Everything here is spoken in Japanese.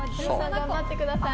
頑張ってください。